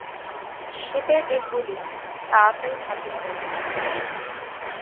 শীতের দিনগুলি তাড়াতাড়ি কাটিয়া যাইতে লাগিল।